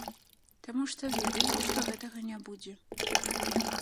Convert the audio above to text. Таму што ведаю, што гэтага не будзе.